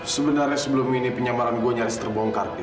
sebenarnya sebelum ini penyamaran gue nyaris terbongkar dio